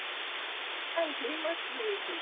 はいふえます。